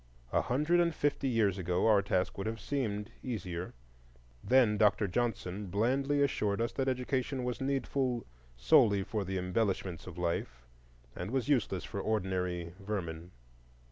A hundred and fifty years ago our task would have seemed easier. Then Dr. Johnson blandly assured us that education was needful solely for the embellishments of life, and was useless for ordinary vermin.